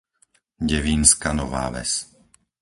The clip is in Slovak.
Devínska Nová Ves